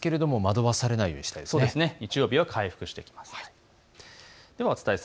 日曜日は回復してきます。